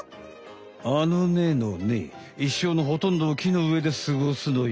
あのねのねいっしょうのほとんどを木の上ですごすのよ。